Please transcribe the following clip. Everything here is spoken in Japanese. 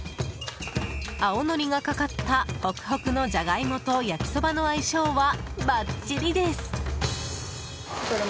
青のりがかかったホクホクのジャガイモと焼きそばの相性はバッチリです。